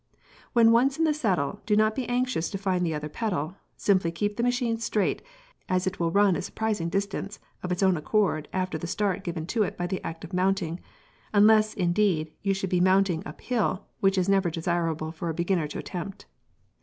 When once in the saddle, do not be anxious to find the other pedal, simply keep the machine straight, as it will run a surprising distance of its own accord after the start given to it by the act of mounting, unless, indeed, you should be mounting up hill, which is never desirable for a beginner to attempt.